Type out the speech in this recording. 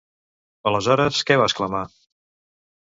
Aleshores, què va exclamar?